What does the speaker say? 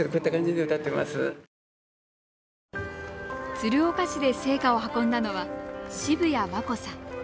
鶴岡市で聖火を運んだのは渋谷真子さん。